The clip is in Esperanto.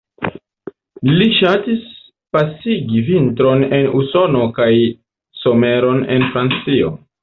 Li ŝatis pasigi vintron en Usono kaj someron en Francio.